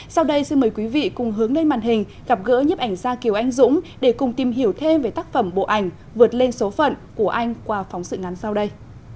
sau đây xin mời quý vị cùng hướng lên màn hình gặp gỡ nhếp ảnh gia kiều anh dũng để cùng tìm hiểu thêm về tác phẩm bộ ảnh vượt lên số phận của anh qua phóng sự ngắn sau đây